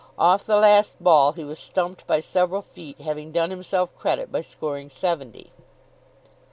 Off the last ball he was stumped by several feet, having done himself credit by scoring seventy.